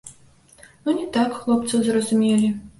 Ну не так хлопцаў зразумелі!